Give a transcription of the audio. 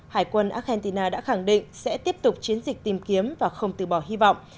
hải quân argentina đã khẳng định sẽ tiếp tục chiến dịch tìm kiếm và không từ bỏ hy vọng